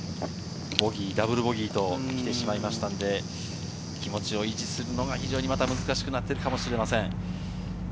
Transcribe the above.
ダブルボギーと来てしまいましたので気持ちを維持するのが難しくなっているかもしれません。